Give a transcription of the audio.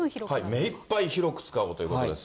めいっぱい広く使おうということです。